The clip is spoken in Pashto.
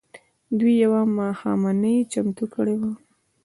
دوی يوه ماښامنۍ چمتو کړې وه.